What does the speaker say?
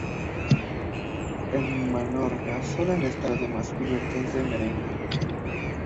En Menorca suelen estar, además, cubiertas de merengue.